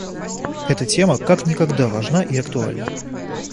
Эта тема как никогда важна и актуальна.